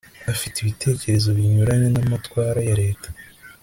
afite ibitekerezo binyuranye n'amatwara ya leta